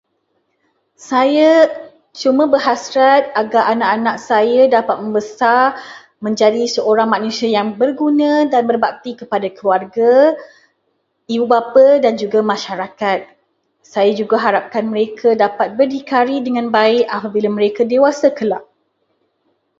Saya cuma berhasrat agar anak-anak saya akan membesar menjadi seorang manusia yang berguna dan berbakti kepada keluarga, ibu bapa dan masyarakat. Saya juga harapkan mereka dapat berdikari dengan baik apabila mereka dewasa kelak.